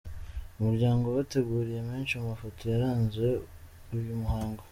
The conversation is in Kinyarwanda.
Umuryango wabateguriye menshi mu mafoto yaranze uyu muhango:.